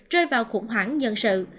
rơi vào khủng hoảng nhân sự